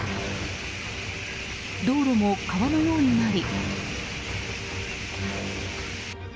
道路も川のようになり。